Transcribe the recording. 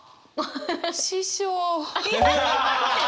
師匠。